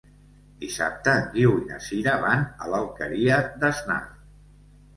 Dissabte en Guiu i na Sira van a l'Alqueria d'Asnar.